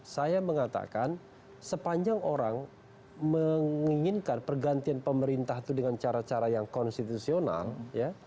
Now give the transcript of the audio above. saya mengatakan sepanjang orang menginginkan pergantian pemerintah itu dengan cara cara yang konstitusional ya